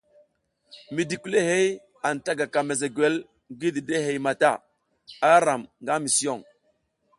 Mi di kulihey anta gaka mesegwel ngi didehey mata, ara ram nga mison.